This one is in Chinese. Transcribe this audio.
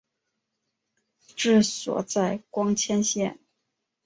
治所在光迁县。